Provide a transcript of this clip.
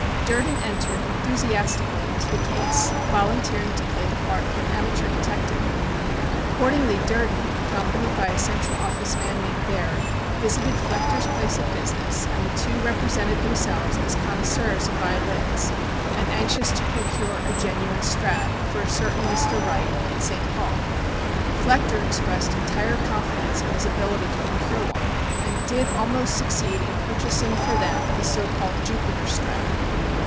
Durden entered enthusiastically into the case, volunteering to play the part of an amateur detective. Accordingly Durden, accompanied by a Central Office man named Baird, visited Flechter's place of business and the two represented themselves as connoisseurs in violins and anxious to procure a genuine Strad. for a certain Mr. Wright in St. Paul. Flechter expressed entire confidence in his ability to procure one, and did almost succeed in purchasing for them the so called "Jupiter Strad."